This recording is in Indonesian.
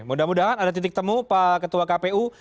mudah mudahan ada titik temu pak ketua kpu